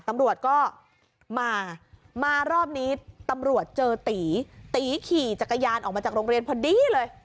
ตำรวจก็มามารอบนี้ตำรวจเจอตีตีขี่จักรยานออกมาจากโรงเรียนพอดีเลย